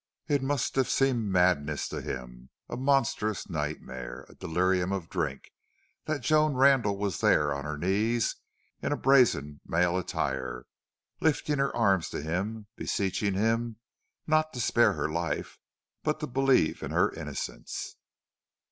It must have seemed madness to him, a monstrous nightmare, a delirium of drink, that Joan Randle was there on her knees in a brazen male attire, lifting her arms to him, beseeching him, not to spare her life, but to believe in her innocence.